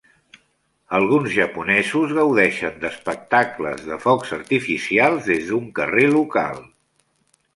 Alguns japonesos gaudeixen d'espectacles de focs artificials des d'un carrer local